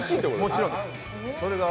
もちろんです。